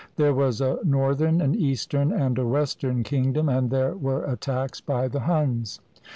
There was a northern, an eastern, and a western kingdom, and there were attacks by the Huns.